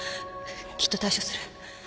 きっと対処する